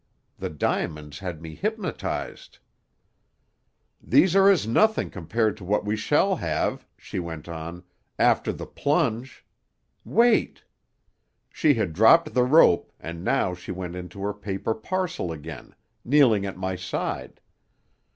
The diamonds had me hypnotized. "'These are as nothing compared to what we shall have,' she went on, 'after the plunge. Wait!' "She had dropped the rope, and now she went into her paper parcel again, kneeling at my side.